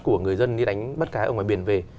của người dân đi đánh bắt cá ở ngoài biển về